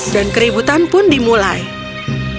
dan keributan pun dimulai selama sejam ini